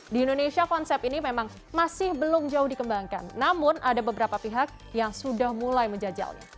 di indonesia konsep ini memang masih belum jauh dikembangkan namun ada beberapa pihak yang sudah mulai menjajalnya